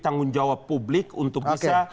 tanggung jawab publik untuk bisa